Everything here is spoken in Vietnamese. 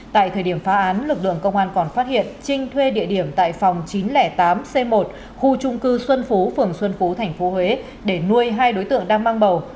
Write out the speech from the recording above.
tại thời điểm phá án lực lượng công an còn phát hiện trinh thuê địa điểm tại phòng chín trăm linh tám c một khu trung cư xuân phú phường xuân phú tp huế để nuôi hai đối tượng đang mang bầu